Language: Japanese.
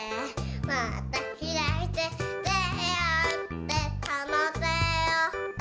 「またひらいててをうってそのてを」